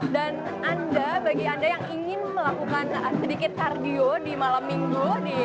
dan bagi anda yang ingin melakukan sedikit cardio di malam minggu